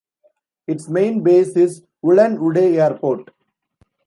Its main base is Ulan-Ude Airport.